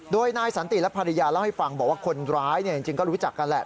โดยนายสันติและภรรยาเล่าให้ฟังบอกว่าคนร้ายจริงก็รู้จักกันแหละ